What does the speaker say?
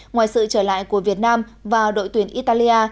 ngoài sự trở lại của việt nam và đội tuyển italia